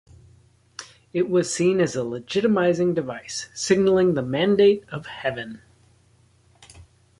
It was seen as a legitimizing device, signalling the Mandate of Heaven.